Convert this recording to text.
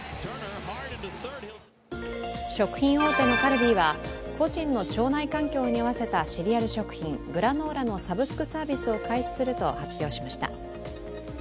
食品大手のカルビーは個人の腸内環境に合わせたシリアル食品グラノーラのサブスクサービスを開始すると発表しました。